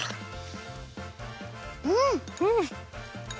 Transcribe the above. うん！